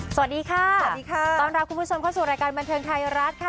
สวัสดีค่ะสวัสดีค่ะต้อนรับคุณผู้ชมเข้าสู่รายการบันเทิงไทยรัฐค่ะ